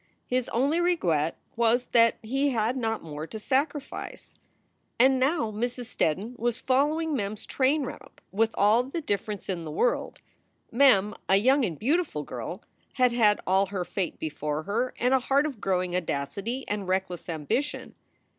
His only regret was that he had not more to sacrifice. And now Mrs. Steddon was following Mem s train route, with all the difference in the world: Mem, a young and beautiful girl, had had all her fate before her and a heart of growing audacity and reckless ambition.